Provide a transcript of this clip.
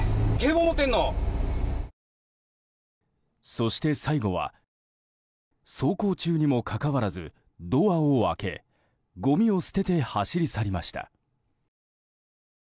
そして、最後は走行中にもかかわらずドアを開けごみを捨てて走り去りました。